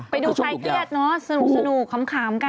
ไปดูใครเครียดเนอะสนุกขามกัน